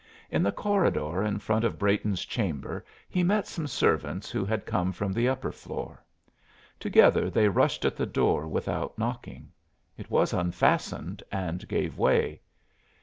In the corridor in front of Brayton's chamber he met some servants who had come from the upper floor. Together they rushed at the door without knocking. It was unfastened and gave way.